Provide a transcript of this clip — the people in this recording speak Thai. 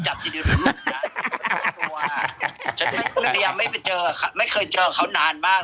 ฉะนั้นคุณพยายามไม่ไปเจอไม่เคยเจอเขานานมากน่ะ